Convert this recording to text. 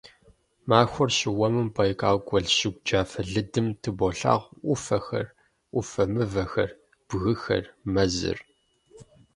Махуэр щыуэмым Байкал гуэл щыгу джафэ лыдым тыболъагъуэ Ӏуфэхэр, Ӏуфэ мывэхэр, бгыхэр, мэзыр.